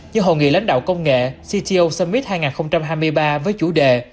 như hội nghị lãnh đạo công nghệ cto summit hai nghìn hai mươi ba với chủ đề